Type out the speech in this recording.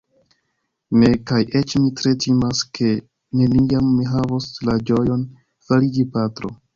Ne; kaj eĉ mi tre timas, ke neniam mi havos la ĝojon fariĝi patro.